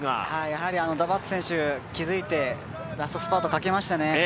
やはりダマート選手、気づいてラストスパートをかけましたね。